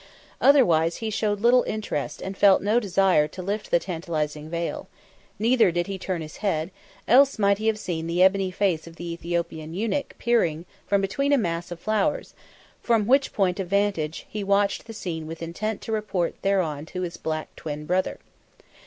Otherwise he showed little interest and felt no desire to lift the tantalising veil; neither did he turn his head, else might he have seen the ebony face of the Ethiopian eunuch peering from between a mass of flowers, from which point of vantage he watched the scene with intent to report thereon to his black twin brother.